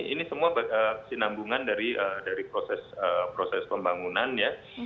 ini semua kesinambungan dari proses pembangunan ya